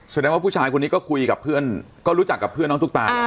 แสดงว่าผู้ชายคนนี้ก็คุยกับเพื่อนก็รู้จักกับเพื่อนน้องตุ๊กตา